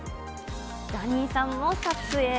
ザニーさんも撮影。